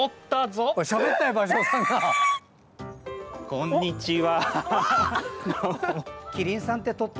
こんにちは！